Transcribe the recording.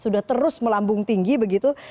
sudah terus melambung tinggi begitu